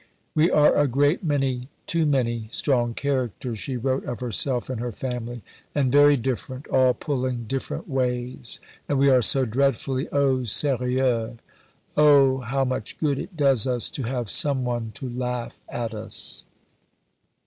"We are a great many too many strong characters," she wrote of herself and her family, "and very different: all pulling different ways. And we are so dreadfully au sérieux. Oh, how much good it does us to have some one to laugh at us!"